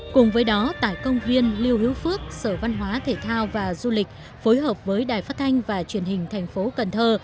cùng với đó tại công viên lưu hữu phước sở văn hóa thể thao và du lịch phối hợp với đài phát thanh và truyền hình thành phố cần thơ